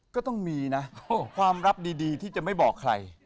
ก็ต้องมีนะความลับดีที่จะไม่บอกใคร